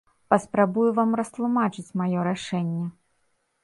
Паспрабую вам растлумачыць маё рашэнне.